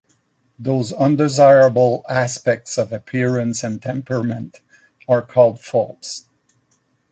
Those undesirable aspects of appearance and temperament are called "faults".